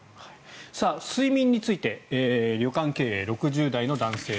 睡眠について旅館経営、６０代の男性。